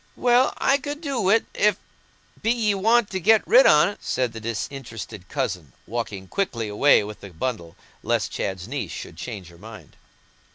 "Well, I could do wi't, if so be ye want to get rid on't," said the disinterested cousin, walking quickly away with the bundle, lest Chad's Bess should change her mind.